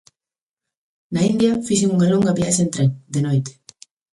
Na India fixen unha longa viaxe en tren, de noite.